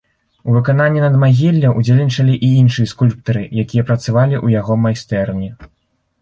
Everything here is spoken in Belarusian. У выкананні надмагілля ўдзельнічалі і іншыя скульптары, якія працавалі ў яго майстэрні.